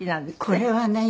これはね